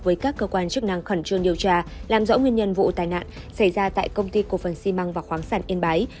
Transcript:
với các cơ quan chức năng khẩn trương điều tra làm rõ nguyên nhân vụ tai nạn xảy ra tại công ty cổ phần xi măng và khoáng sản yên bái